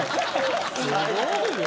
すごいよね。